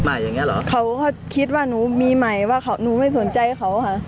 อย่างเงี้เหรอเขาก็คิดว่าหนูมีใหม่ว่าเขาหนูไม่สนใจเขาค่ะ